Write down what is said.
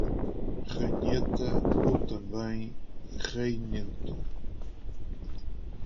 Ranheta, ou também, reinento